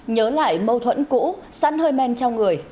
nhớ lại mâu thuẫn cũ sẵn hơi men trong người